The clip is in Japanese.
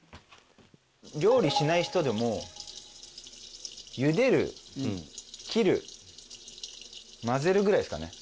料理しない人でも茹でる切る混ぜるぐらいですかね。